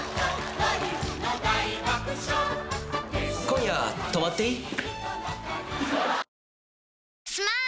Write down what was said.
今夜泊まっていい？